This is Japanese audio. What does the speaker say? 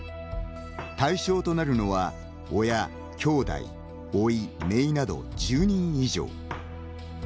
対象となるのは、親・きょうだいおい・めいなど１０人以上。